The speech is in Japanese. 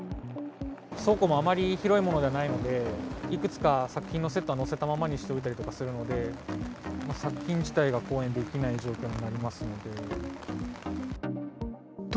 倉庫もあまり広いものではないので、いくつか作品のセットは載せたままにしておいたりとかするので、作品自体が公演できない状況になりますので。